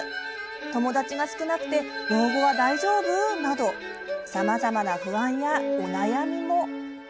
「友達が少なくて老後は大丈夫？」などさまざまな不安や悩みも。